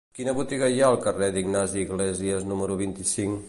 Quina botiga hi ha al carrer d'Ignasi Iglésias número vint-i-cinc?